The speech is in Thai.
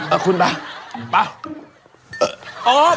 เอาคุณไปไป